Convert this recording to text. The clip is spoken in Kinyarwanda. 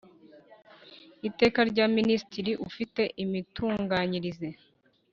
Iteka rya Minisitiri ufite imitunganyirize